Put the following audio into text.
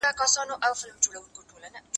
زه اوږده وخت د سبا لپاره د نوي لغتونو يادوم،